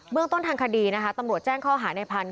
เบื้องต้นทางคดีตำรวจแจ้งข้อหานายพันธุ์